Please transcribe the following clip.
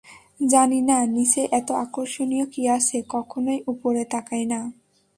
জানি না নীচে এতো আকর্ষণীয় কি আছে, কখনোই উপরে তাকায় না!